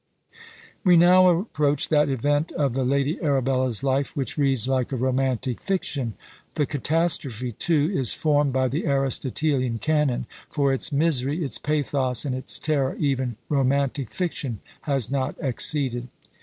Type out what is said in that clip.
We now approach that event of the Lady Arabella's life which reads like a romantic fiction: the catastrophe, too, is formed by the Aristotelian canon; for its misery, its pathos, and its terror even romantic fiction has not exceeded!